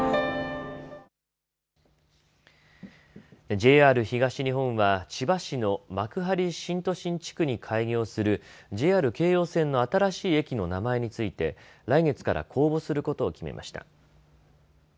ＪＲ東日本は千葉市の幕張新都心地区に開業するＪＲ京葉線の新しい駅の名前について来月から公募することを決めました。